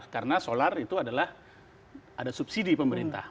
karena solar itu adalah ada subsidi pemerintah